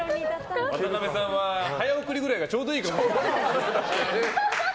渡部さんは早送りくらいがちょうどいいかもしれませんね。